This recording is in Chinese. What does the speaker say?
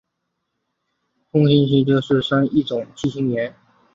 苯基三甲基氟化铵是一种季铵盐。